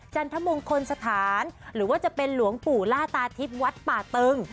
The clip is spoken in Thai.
จันทมงคลสถานหรือว่าจะเป็นหลวงปู่ล่าตาทิพย์วัดป่าตึง